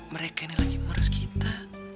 mereka ini lagi ngurus kita